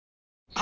あ！